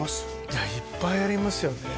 いやいっぱいありますよね